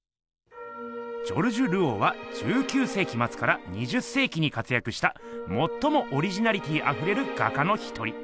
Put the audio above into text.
ジョルジュ・ルオーは１９せいきまつから２０せいきに活やくしたもっともオリジナリティーあふれる画家の一人。